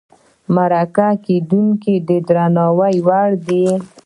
مرکه کېدونکی د درناوي وړ دی.